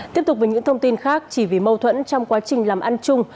tiếp tục với những thông tin khác chỉ vì mâu thuẫn trong quá trình làm ăn chung